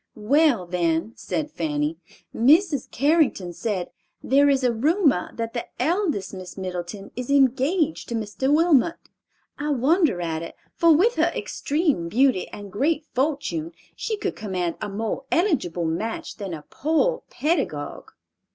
"Well, then," said Fanny, "Mrs. Carrington said, 'There is a rumor that the eldest Miss Middleton is engaged to Mr. Wilmot. I wonder at it, for with her extreme beauty and great fortune, she could command a more eligible match than a poor pedagogue.